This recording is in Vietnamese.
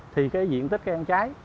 thì diện tích cây ăn trái